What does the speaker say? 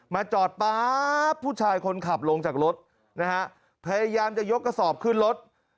จอดป๊าบผู้ชายคนขับลงจากรถนะฮะพยายามจะยกกระสอบขึ้นรถ